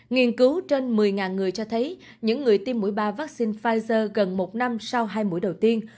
nghiên cứu trên một mươi người cho thấy những người tiêm mũi ba vaccine pfizer gần một năm sau hai mũi đầu tiên